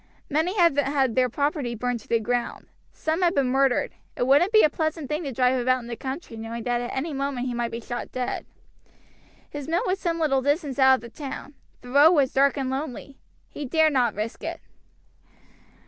Many had had their property burned to the ground; some had been murdered. It wouldn't be a pleasant thing to drive about in the country knowing that at any moment he might be shot dead. His mill was some little distance out of the town; the road was dark and lonely. He dared not risk it.